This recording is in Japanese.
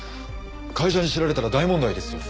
会社に知られたら大問題ですよ。